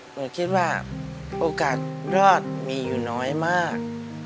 หนูคิดว่าโอกาสรอดมีอยู่น้อยมาก